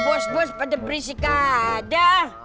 bos bos pada berisikada